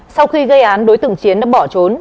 sau khi gây án đối tượng chiến đã bỏ trốn